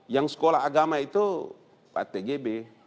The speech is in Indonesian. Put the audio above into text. yang sekolah agama itu pak tgb